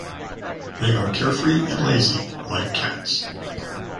They are carefree and lazy like cats.